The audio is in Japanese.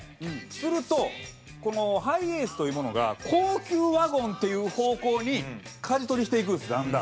するとこのハイエースというものが高級ワゴンっていう方向にかじ取りしていくんですだんだん。